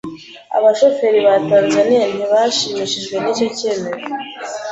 Abashoferi ba Tanzania ntibashimishijwe n’icyo kemezo